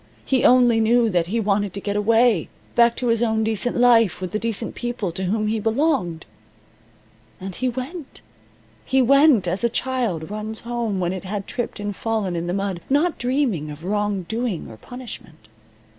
He only knew that he wanted to get away back to his own decent life with the decent people to whom he belonged. And he went. He went, as a child runs home when it had tripped and fallen in the mud, not dreaming of wrong doing or punishment.